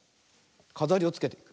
かざりをつけてみる。